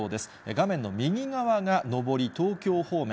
画面の右側が上り東京方面。